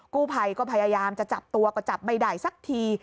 กู้ภัยก็พยายามจะจับตัวก็จับไม่ได้สักที